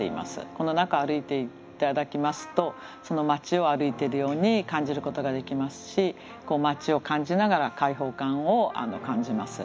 この中歩いて頂きますと街を歩いているように感じることができますし街を感じながら開放感を感じます。